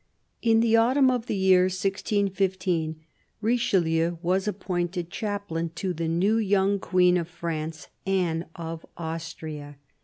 IN the autumn of the year 1615 Richelieu was appointed chaplain to the new young Queen of France, Anne of Austria.